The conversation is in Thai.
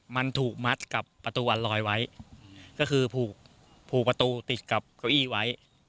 มันถูกมัดกับประตูวันลอยไว้ก็คือผูกผูกประตูติดกับเก้าอี้ไว้